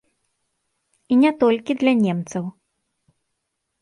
І не толькі для немцаў.